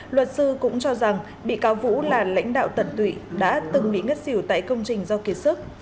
luật sư cũng cho rằng bị cáo vũ là lãnh đạo tận tụy đã từng bị ngất xỉu tại công trình do kiệt sức